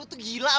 dulu tuh gila apa